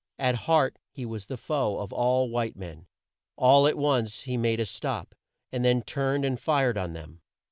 At heart he was the foe of all white men. All at once he made a stop, and then turned and fired on them.